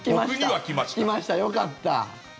来ました、よかった。